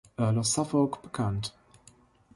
Earl of Suffolk bekannt.